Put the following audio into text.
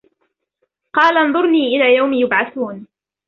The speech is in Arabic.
قال أنظرني إلى يوم يبعثون